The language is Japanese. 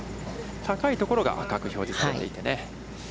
高いところが赤く表示されていて。